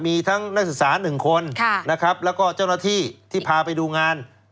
มีทั้งนักศึกษาหนึ่งคนและก็เจ้าหน้าที่ที่พาไปดูงาน